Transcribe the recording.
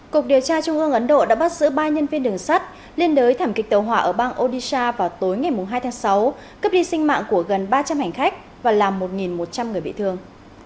cục điều tra trung ương ấn độ đã bắt giữ ba nhân viên đường sắt liên đới thảm kịch tàu hỏa ở bang odisha vào tối ngày hai tháng sáu cướp đi sinh mạng của gần ba trăm linh hành khách và làm một một trăm linh người bị thương